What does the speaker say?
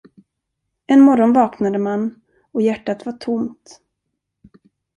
En morgon vaknade man, och hjärtat var tomt.